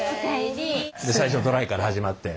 最初ドライから始まって。